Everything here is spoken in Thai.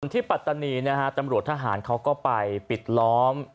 ปัตตานีนะฮะตำรวจทหารเขาก็ไปปิดล้อม